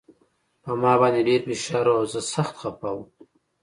په ما باندې ډېر فشار و او زه سخت خپه وم